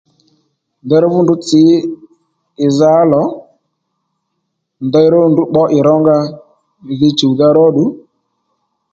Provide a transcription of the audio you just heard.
Ndeyró fú ndrǔ tsǐ ì za ó lò ndeyró ndrǔ pbǒ ì rónga dhi chùwdha róddù